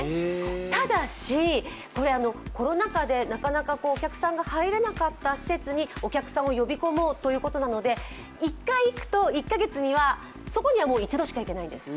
ただし、これコロナ禍でなかなかお客さんが入れなかった施設にお客さんを呼び込もうということなので、１回行くと、１カ月には、そこには一度しか行けないんです。